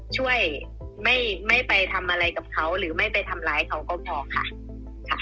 ช่วยไม่ไปทำอะไรกับเขาหรือไม่ไปทำร้ายเขาก็พอค่ะ